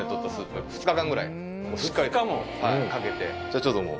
じゃあちょっともう。